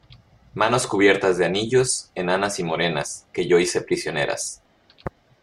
manos cubiertas de anillos, enanas y morenas , que yo hice prisioneras.